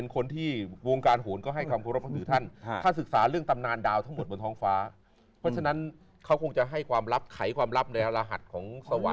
ความอุดมสมบูรณ์